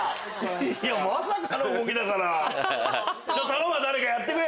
まさかの動きだから。